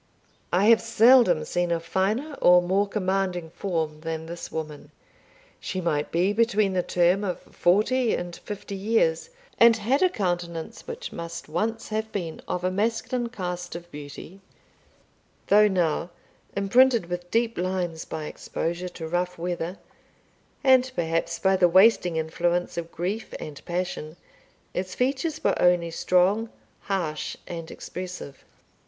I have seldom seen a finer or more commanding form than this woman. She might be between the term of forty and fifty years, and had a countenance which must once have been of a masculine cast of beauty; though now, imprinted with deep lines by exposure to rough weather, and perhaps by the wasting influence of grief and passion, its features were only strong, harsh, and expressive.